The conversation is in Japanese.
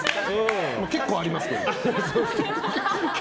結構ありますけど。